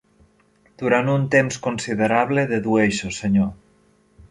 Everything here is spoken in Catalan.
Durant un temps considerable, dedueixo, senyor.